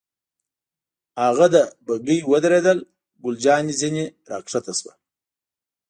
هاغه ده، بګۍ ودرېدل، ګل جانې ځنې را کښته شوه.